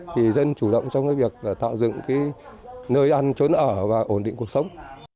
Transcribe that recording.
thì dân chủ động trong cái việc tạo dựng cái nơi ăn trốn ở và ổn định cuộc sống